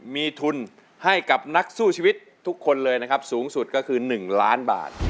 มีทุนให้กับนักสู้ชีวิตทุกคนเลยนะครับสูงสุดก็คือ๑ล้านบาท